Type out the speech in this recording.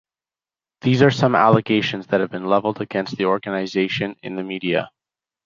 These are some allegations that have been leveled against the organisation in the media.